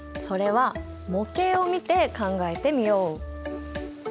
それは模型を見て考えてみよう。